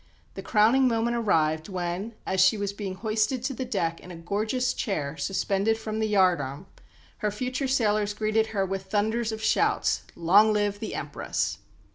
The crowning moment arrived when, as she was being hoisted to the deck in a gorgeous chair suspended from the yard arm, her future sailors greeted her with thunders of shouts, "Long live the Empress!"